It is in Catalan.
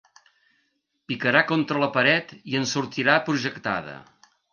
Picarà contra la paret i en sortirà projectada.